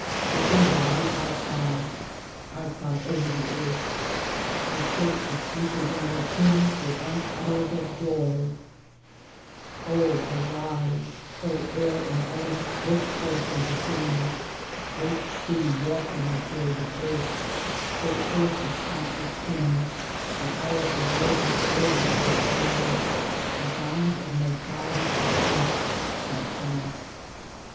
Disembodied I cry, I cry, over the earth — I shake the sleepers in their tombs with unutterable joy : 0 arise ! O air and elements break forth into singing ! Great sea washing the shores of earth ! O earth of count less tombs ! the hour of your disclosure is at hand ; t'he bounds of mortality at length are past